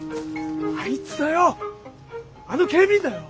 あいつだよあの警備員だよ。